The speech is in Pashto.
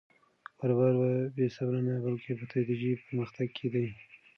کاروبار په بې صبري نه، بلکې په تدریجي پرمختګ کې دی.